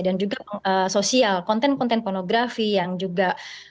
dan juga sosial konten konten pornografi yang juga